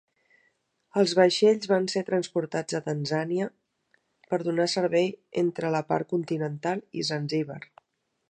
Els vaixells van ser transportats a Tanzània per donar servei entre la part continental i Zanzíbar.